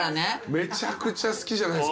めちゃくちゃ好きじゃないっすか。